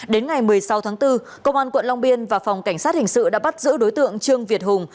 đến ngày một mươi sáu tháng bốn công an quận long biên và phòng cảnh sát hình sự đã bắt giữ đối tượng trương việt hùng